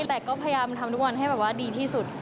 แต่ก็พยายามทำทุกวันให้แบบว่าดีที่สุด